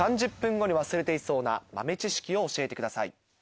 ３０分後に忘れていそうな豆知識を教えてください。